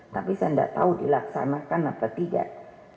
tapi saya tidak tahu dilaksanakan apa tidak